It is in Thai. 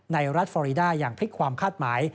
รัฐฟอรีดาอย่างพลิกความคาดหมาย